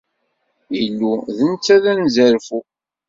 Illu, d netta i d anezzarfu.